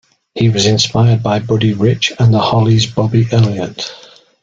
He was inspired by Buddy Rich and The Hollies' Bobby Elliott.